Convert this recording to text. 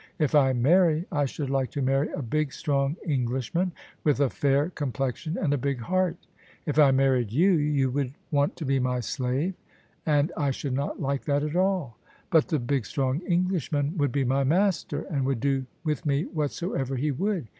If I marry, I should like to marry a big strong Englishman with a fair complexion, and a big heart. If I married you, you would want to be my slave — and I should not like that at all. But the big strong Englishman would be my master, and would do with me whatsoever he would.